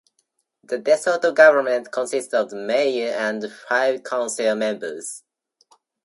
The De Soto government consists of a mayor and five council members.